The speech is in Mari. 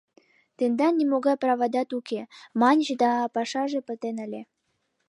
«Тендан нимогай правадат уке» маньыч, да пашаже пытен ыле.